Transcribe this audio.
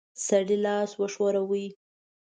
سړي لاس وښوراوه.